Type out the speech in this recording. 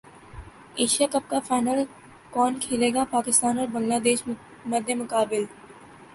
Asia Cup کا final کون کھیلے گا پاکستان اور بنگلہ دیش مدمقابل